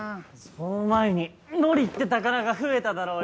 その前にのりって宝が増えただろうよ。